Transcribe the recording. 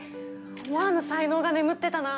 思わぬ才能が眠ってたな！